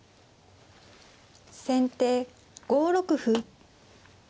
先手５六歩。